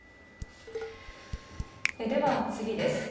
では、次です。